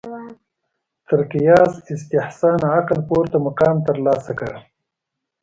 تر قیاس استحسان عقل پورته مقام ترلاسه کړ